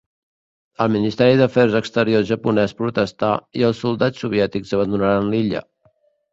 El Ministeri d'Afers Exteriors japonès protestà i els soldats soviètics abandonaren l'illa.